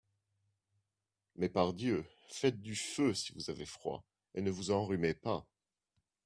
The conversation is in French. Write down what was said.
Mais, par Dieu ! Faites du feu si vous avez froid, et ne vous enrhumez pas.